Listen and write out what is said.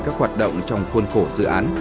các hoạt động trong khuôn khổ dự án